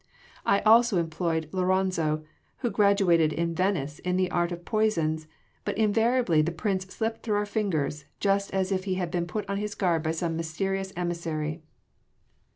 I also employed Loronzo, who graduated in Venice in the art of poisons, but invariably the Prince slipped through our fingers just as if he had been put on his guard by some mysterious emissary."